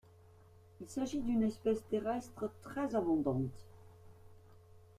Il s'agit d'une espèce terrestre très abondante.